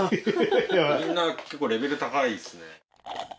みんな結構レベル高いっすね